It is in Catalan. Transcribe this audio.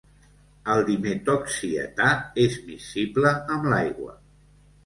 El dimetoxietà és miscible amb l'aigua.